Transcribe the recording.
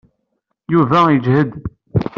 Yuba yejhed.